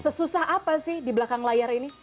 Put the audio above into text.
sesusah apa sih di belakang layar ini